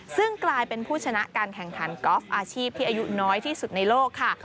ซึ่งกลายเป็นผู้ชนะการแข่งขันกอล์ฟอาชีพที่อายุน้อยที่สุดในโลกค่ะ